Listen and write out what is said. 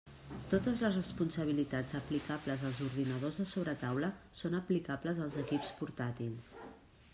Totes les responsabilitats aplicables als ordinadors de sobretaula són aplicables als equips portàtils.